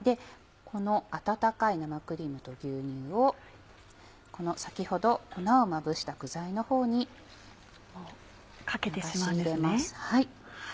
この温かい生クリームと牛乳を先ほど粉をまぶした具材のほうに流し入れます。